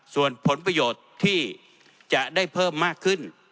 ส่วนผลประโยชน์ที่จะได้เพิ่มมากขึ้น